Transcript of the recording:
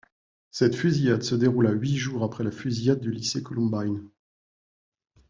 Cette fusillade se déroula huit jours après la fusillade du lycée Columbine.